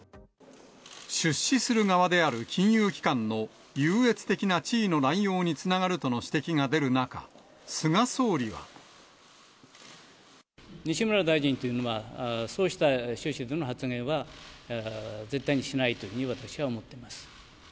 出資する側である金融機関の優越的な地位の乱用につながると西村大臣というのは、そうした趣旨での発言は絶対にしないというふうに私は思ってます。